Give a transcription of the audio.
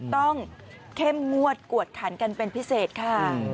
เข้มงวดกวดขันกันเป็นพิเศษค่ะ